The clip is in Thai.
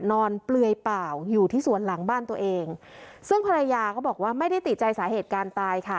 เปลือยเปล่าอยู่ที่สวนหลังบ้านตัวเองซึ่งภรรยาก็บอกว่าไม่ได้ติดใจสาเหตุการณ์ตายค่ะ